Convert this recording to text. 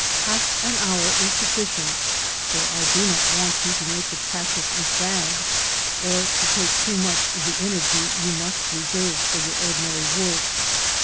Half an hour is sufficient, for I do not want you to make the practice a fag, or to take too much of the energy you must reserve for your ordinary work.